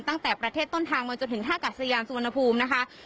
ตั้งแต่ประเทศต้นทางมาจนถึงท่ากัดสยานสุวรรณภูมินะคะ